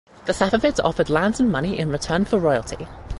The Safavids offered land and money in return for loyalty.